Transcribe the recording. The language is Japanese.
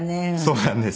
そうなんです。